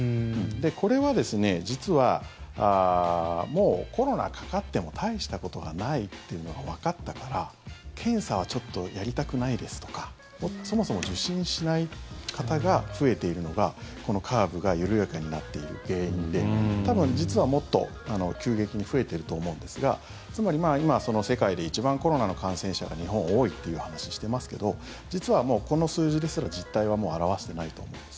これは実はもうコロナかかっても大したことがないっていうのがわかったから検査はちょっとやりたくないですとかそもそも受診しない方が増えているのがこのカーブが緩やかになっている原因で多分、実はもっと急激に増えてると思うんですがつまり今、世界で一番コロナの感染者が日本は多いという話してますけど実はもうこの数字ですら実態はもう表してないと思います。